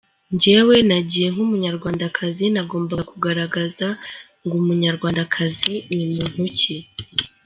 Njyewe nagiye nk’Umunyarwandakazi, nagombaga kugaragaza ngo umunyarwandakazi ni muntu ki.